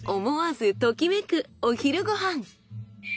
思わずときめくお昼ご飯。